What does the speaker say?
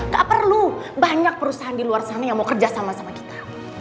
gak perlu banyak perusahaan di luar sana yang mau kerja sama sama kita